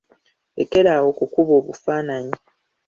Lekera awo okukuba obufaananyi.